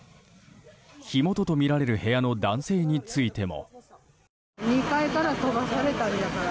火元とみられる部屋の男性についても。